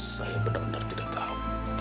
saya benar benar tidak tahu